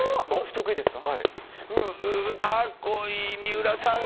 得意ですか？